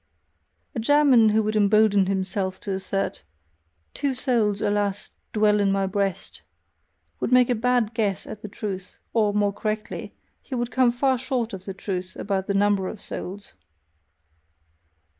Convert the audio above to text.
A German who would embolden himself to assert: "Two souls, alas, dwell in my breast," would make a bad guess at the truth, or, more correctly, he would come far short of the truth about the number of souls.